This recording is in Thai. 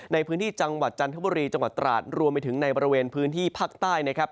ในพื้นที่จังหวัดจันทบุรีจังหวัดตราดรวมไปถึงในบริเวณพื้นที่ภาคใต้นะครับ